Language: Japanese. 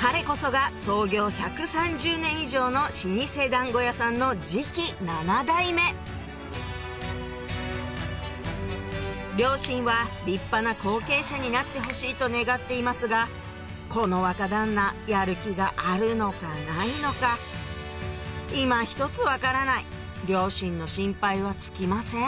彼こそが創業１３０年以上の老舗団子屋さんの両親は立派な後継者になってほしいと願っていますがこの若旦那やる気があるのかないのかいまひとつ分からない両親の心配は尽きません